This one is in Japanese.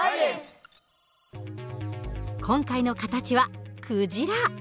今回の形はクジラ。